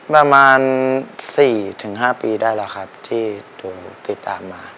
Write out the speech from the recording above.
ประมาณ๔๕ปีได้แล้วครับที่ถูกติดตามมา